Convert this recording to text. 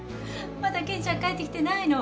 まだ健ちゃん帰ってきてないの？